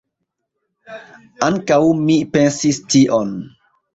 Ankaŭ mi pensis tion.